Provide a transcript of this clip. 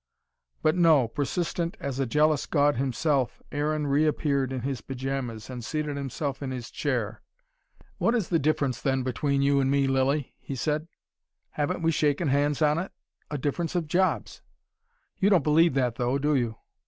But no, persistent as a jealous God himself, Aaron reappeared in his pyjamas, and seated himself in his chair. "What is the difference then between you and me, Lilly?" he said. "Haven't we shaken hands on it a difference of jobs." "You don't believe that, though, do you?"